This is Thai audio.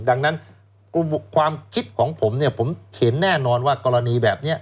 ดังนั้นความคิดของผมเนี่ยผมเห็นแน่นอนว่ากรณีแบบนี้